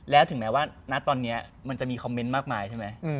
แล้วถึงแม้ว่าณตอนนี้มันจะมีคอมเมนต์มากมายใช่ไหม